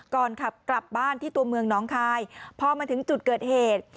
ขับกลับบ้านที่ตัวเมืองน้องคายพอมาถึงจุดเกิดเหตุ